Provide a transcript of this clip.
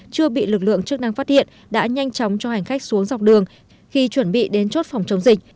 chưa bị lực lượng chức năng phát hiện đã nhanh chóng cho hành khách xuống dọc đường khi chuẩn bị đến chốt phòng chống dịch